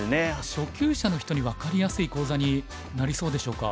初級者の人に分かりやすい講座になりそうでしょうか？